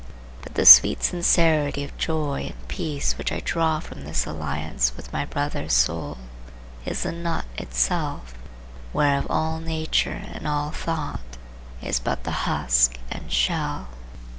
But the sweet sincerity of joy and peace which I draw from this alliance with my brother's soul is the nut itself whereof all nature and all thought is but the husk and shell.